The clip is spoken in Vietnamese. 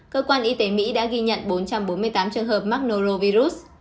cơ quan y tế mỹ đã ghi nhận bốn trăm bốn mươi tám trường hợp mắc norovius